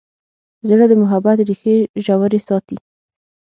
زړه د محبت ریښې ژورې ساتي.